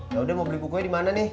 yaudah mau beli bukunya di mana nih